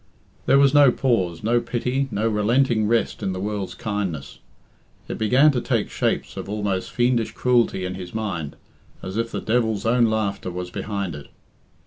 There was no pause, no pity, no relenting rest in the world's kindness. It began to take shapes of almost fiendish cruelty in his mind, as if the devil's own laughter was behind it.